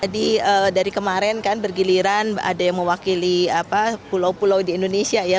jadi dari kemarin kan bergiliran ada yang mewakili pulau pulau di indonesia ya